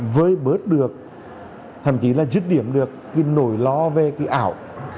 với bớt được thậm chí là dứt điểm được cái nổi ló về cái ảo